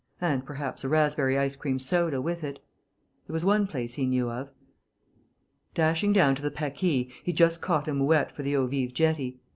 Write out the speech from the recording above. And perhaps a raspberry ice cream soda with it. There was one place he knew of.... Dashing down to the Paquis, he just caught a mouette for the Eaux Vives jetty.